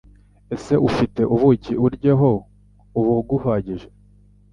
Ese ufite ubuki Uryeho ubuguhagije